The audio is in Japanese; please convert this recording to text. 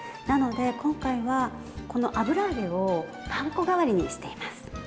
なので今回は油揚げをパン粉代わりにしています。